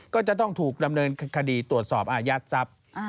ก็จะต้องถูกดำเนินคดีตรวจสอบอายัดทรัพย์